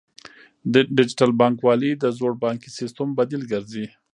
ډیجیټل بانکوالي د زوړ بانکي سیستم بدیل ګرځي.